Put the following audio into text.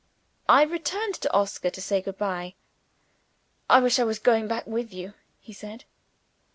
I returned to Oscar, to say good bye. "I wish I was going back with you," he said.